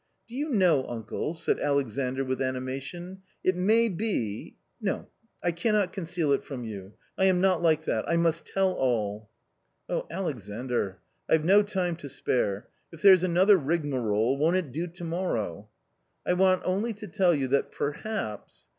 "Do you know, uncle?" said Alexandr with animation "it may be ...• no, I cannot conceal it from you. I am not like that, I must tell all." " Oh, Alexandr, I've no time to spare ; if there's another rigmarole, won't it do to morrow ?"" I want only to tell you that perhaps